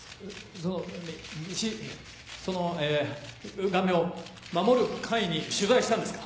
そのミシそのえガメを守る会に取材したんですか？